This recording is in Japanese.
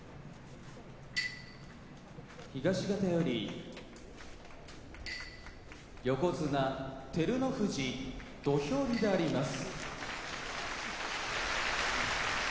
東方より横綱照ノ富士土俵入りであります。